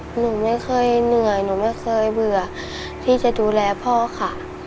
หนูไม่เคยเหนื่อยหนูไม่เคยเบื่อที่จะดูแลพ่อค่ะ